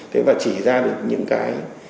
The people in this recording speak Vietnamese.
thế và chỉ ra được những cái